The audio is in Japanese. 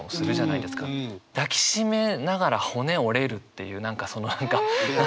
抱きしめながら骨折れるっていう何かその。